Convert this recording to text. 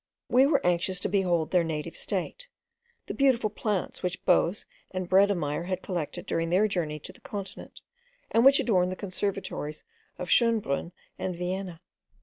We were anxious to behold in their native site, the beautiful plants which Bose and Bredemeyer had collected during their journey to the continent, and which adorn the conservatories of Schoenbrunn and Vienna.